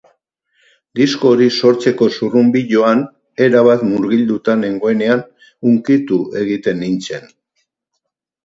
Disko hori sortzeko zurrunbiloan erabat murgilduta nengoenean, hunkitu egiten nintzen.